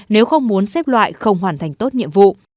nếu không muốn xếp loại không hoàn thành tốt nhiệm vụ